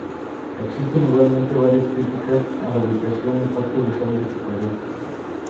Existen igualmente, varias críticas a la ubicación e impacto visual de este proyecto.